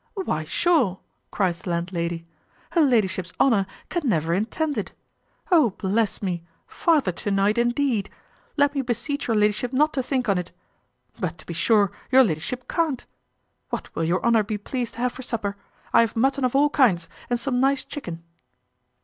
"Why sure," cries the landlady, "her ladyship's honour can never intend it. O, bless me! farther to night, indeed! let me beseech your ladyship not to think on't But, to be sure, your ladyship can't. What will your honour be pleased to have for supper? I have mutton of all kinds, and some nice chicken."